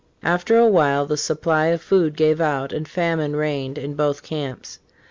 " After a while the supply of food gave out, and famine reigned in both camps.